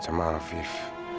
dengan om afib